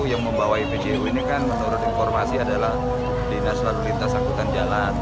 yang membawa pju ini kan menurut informasi adalah di nasi lalu lintas akutan jalan